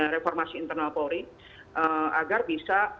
reformasi internal polri agar bisa